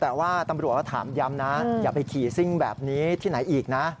แต่ว่าตำรวจก็ถามย้ำนะอย่าไปขี่ซิ่งแบบนี้ที่ไหนอีกนะ